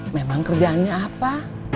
memang kerjaannya apa